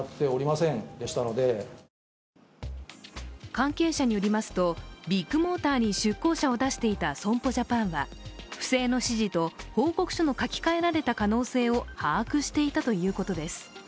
関係者によりますとビッグモーターに出向者を出していた損保ジャパンは、不正の指示と報告書の書き換えられた可能性を把握していたということです。